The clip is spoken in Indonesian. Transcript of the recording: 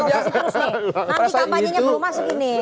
nanti kampanye nya belum masuk ini